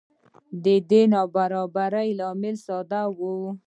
د دې نابرابرۍ لامل ډېر ساده و